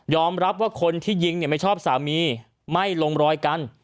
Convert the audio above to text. รับว่าคนที่ยิงเนี่ยไม่ชอบสามีไม่ลงรอยกัน